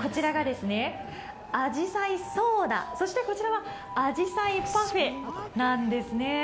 こちらが、あじさいソーダ、そしてこちらはあじさいパフェなんですね。